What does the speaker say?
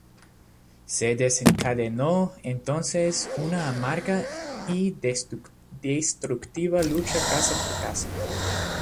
Se desencadenó entonces una amarga y destructiva lucha casa por casa.